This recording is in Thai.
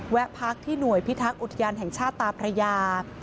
พักที่หน่วยพิทักษ์อุทยานแห่งชาติตาพระยา